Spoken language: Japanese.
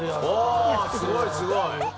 すごいすごい。